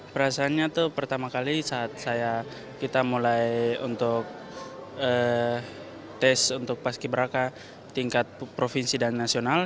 perasaannya itu pertama kali saat saya kita mulai untuk tes untuk paski beraka tingkat provinsi dan nasional